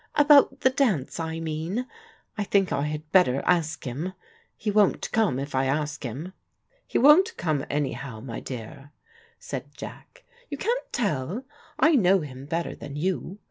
About the dance, I mean. I think I had better ask him. He won't come, if I ask him." "He won't come anyhow, my dear," said Jack. "You can't tell. I know him better than you.